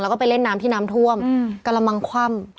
แล้วก็ไปเล่นน้ำที่น้ำท่วมกระมังคว่ำ